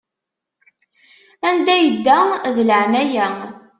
Anda yedda, d laɛnaya.